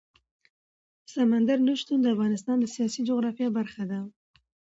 سمندر نه شتون د افغانستان د سیاسي جغرافیه برخه ده.